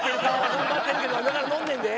頑張ってるけど今から乗るねんで。